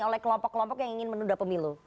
oleh kelompok kelompok yang ingin menunda pemilu